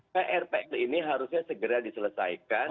prp ini harusnya segera diselesaikan